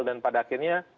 dan pada akhirnya